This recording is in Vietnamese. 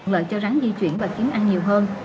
lợn cho rắn di chuyển và kiếm ăn nhiều hơn